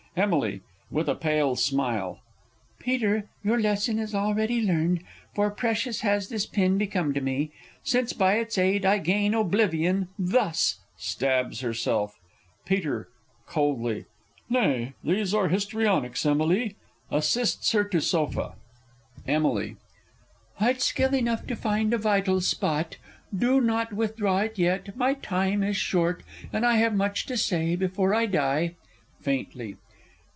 Emily (with a pale smile). Peter, your lesson is already learned, For precious has this pin become for me, Since by its aid I gain oblivion thus! [Stabs herself. Peter (coldly.) Nay, these are histrionics, Emily. [Assists her to sofa. Emily. I'd skill enough to find a vital spot. Do not withdraw it yet my time is short, And I have much to say before I die. (_Faintly.